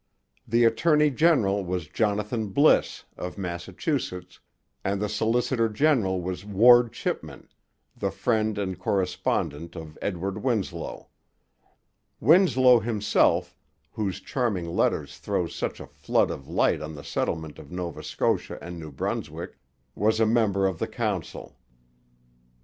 The attorney general was Jonathan Bliss, of Massachusetts; and the solicitor general was Ward Chipman, the friend and correspondent of Edward Winslow. Winslow himself, whose charming letters throw such a flood of light on the settlement of Nova Scotia and New Brunswick, was a member of the council.